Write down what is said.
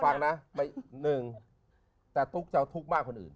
ฟังนะ๑แต่ทุกข์ปาทุกข์มากกว่าอื่น